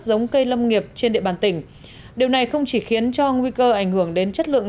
giống cây lâm nghiệp trên địa bàn tỉnh điều này không chỉ khiến cho nguy cơ ảnh hưởng đến chất lượng